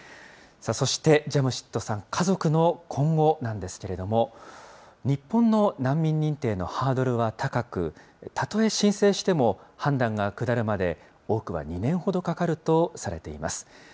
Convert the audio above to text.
そしてジャムシッドさん、家族の今後なんですけれども、日本の難民認定のハードルは高く、たとえ申請しても、判断が下るまで多くは２年ほどかかるとされています。